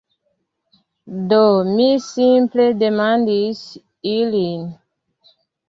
Do, mi simple demandis ilin